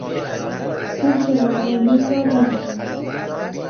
او چراغ قرمز را رد کرد.